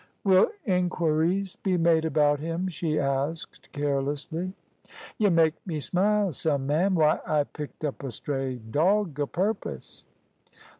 "Will inquiries be made about him?" she asked, carelessly. "Y' make me smile some, ma'am. Why, I picked up a stray dog o' purpose."